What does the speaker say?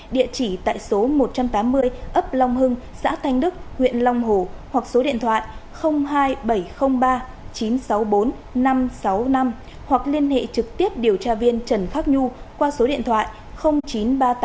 địa chỉ tại số một trăm tám mươi ấp long hưng xã thanh đức huyện long hổ hoặc số điện thoại hai nghìn bảy trăm linh ba chín trăm sáu mươi bốn năm trăm sáu mươi năm hoặc liên hệ trực tiếp điều tra viên trần khắc nhu qua số điện thoại chín trăm ba mươi tám sáu trăm ba mươi ba năm trăm tám mươi chín